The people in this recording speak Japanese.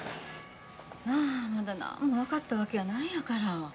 なあまだ何も分かったわけやないんやから。